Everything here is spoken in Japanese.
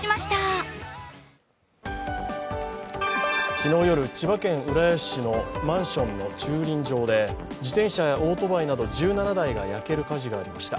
昨日夜、千葉県浦安市のマンションの駐輪場で自転車やオートバイなど１７台が焼ける火事がありました。